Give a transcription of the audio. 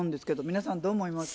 皆さんどう思います？